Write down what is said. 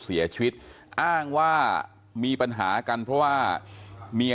เสียชีวิตอ้างว่ามีปัญหากันเพราะว่าเมีย